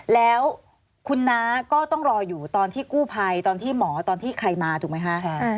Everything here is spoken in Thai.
แล้วคุณน้าก็ต้องรออยู่ตอนที่กู้ภัยตอนที่หมอตอนที่ใครมาถูกไหมคะ